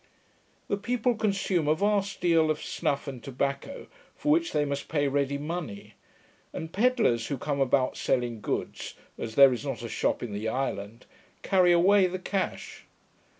The people consume a vast deal of snuff and tobacco, for which they must pay ready money; and pedlers, who come about selling goods, as there is not a shop in the island, carry away the cash.